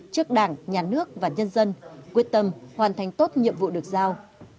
trước đảng nhà nước và nhân dân quyết tâm hoàn thành tốt nhiệm vụ được giao